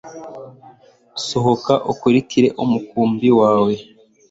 sohoka ukurikire umukumbi wawe